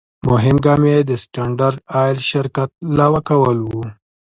مهم ګام یې د سټنډرد آیل شرکت لغوه کول و.